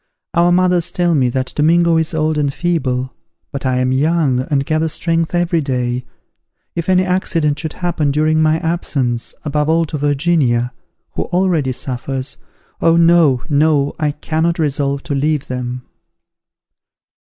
Our mothers tell me, that Domingo is old and feeble; but I am young, and gather strength every day. If any accident should happen during my absence, above all to Virginia, who already suffers Oh, no, no! I cannot resolve to leave them."